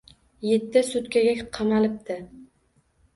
Yetti sutkaga qamalibdi.